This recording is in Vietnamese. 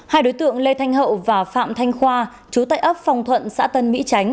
hai đối tượng lê thanh hậu và phạm thanh khoa chú tại ấp phòng thuận xã tân mỹ tránh